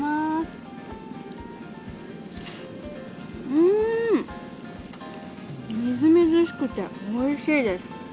うーん、みずみずしくて、おいしいです。